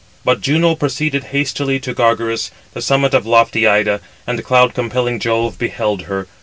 But Juno proceeded hastily to Gargarus, the summit of lofty Ida, and cloud compelling Jove beheld her.